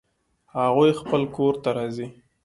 هغوی خپل کور ته راځي